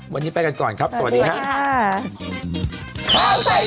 วันนี้ไปกันก่อนครับสวัสดีครับ